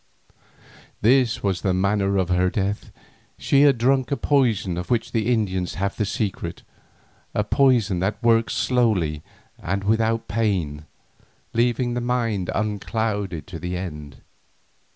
This was the manner of her death. She had drunk of a poison of which the Indians have the secret, a poison that works slowly and without pain, leaving the mind unclouded to the end.